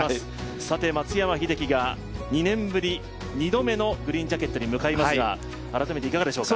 松山英樹が２年ぶり２度目のグリーンジャケットに向かいますが改めていかがでしょうか？